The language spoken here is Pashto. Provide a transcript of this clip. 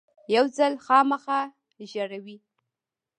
یو ځل خامخا ژړوي .